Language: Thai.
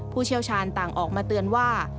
เชี่ยวชาญต่างออกมาเตือนว่า